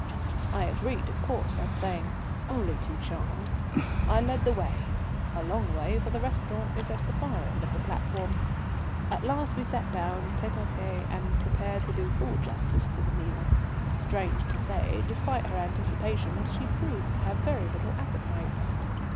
I agreed, of course, and saying, "Only too charmed," I led the way a long way, for the restaurant is at the far end of the platform. At last we sat down tête à tête and prepared to do full justice to the meal. Strange to say, despite her anticipations, she proved to have very little appetite.